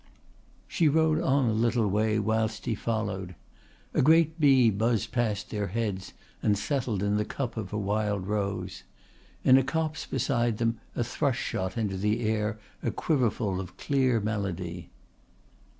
She rode on a little way whilst he followed. A great bee buzzed past their heads and settled in the cup of a wild rose. In a copse beside them a thrush shot into the air a quiverful of clear melody.